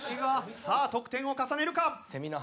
さあ得点を重ねるか？